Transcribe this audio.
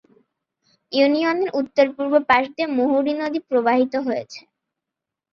ইউনিয়নের উত্তর-পূর্ব পাশ দিয়ে মুহুরী নদী প্রবাহিত হয়েছে।